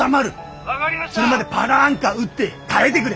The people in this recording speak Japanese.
それまでパラアンカー打って耐えでくれ。